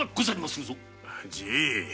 じい！